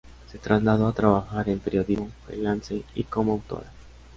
Se trasladó a trabajar en periodismo freelance y como autora.